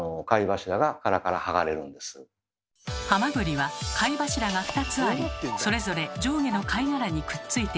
ハマグリは貝柱が２つありそれぞれ上下の貝殻にくっついています。